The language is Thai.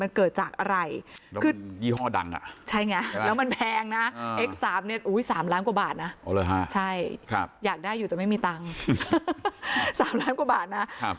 อ๋อเลยฮะใช่ครับอยากได้อยู่แต่ไม่มีตังค์สามล้านกว่าบาทน่ะครับ